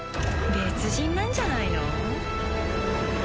別人なんじゃないの？